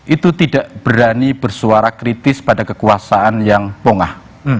itu tidak berani bersuara kritis pada kekuasaan yang pongah